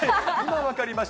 分かりました。